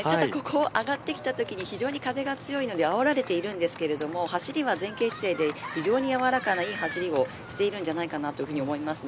上がってきたときに非常に風が強いのであおられていますが走りは前傾姿勢で非常にやわらかないい走りをしているんじゃないかなと思います。